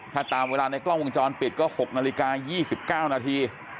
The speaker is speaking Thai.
ถ้าตามเวลาในกล้องวงจรปิดก็๖นาฬิกา๒๙นาที